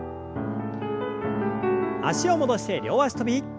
脚を戻して両脚跳び。